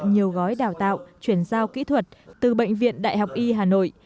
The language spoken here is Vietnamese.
nhiều gói đào tạo chuyển giao kỹ thuật từ bệnh viện đại học y hà nội